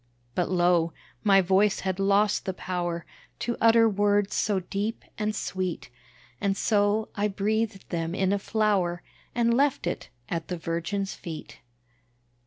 But lo! my voice had lost the power To utter words so deep and sweet, And so, I breathed them in a flower, And left it, at the Virgin's feet.